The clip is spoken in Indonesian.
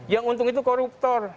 yang untung itu koruptor